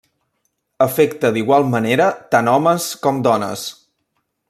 Afecta d'igual manera tant homes com dones.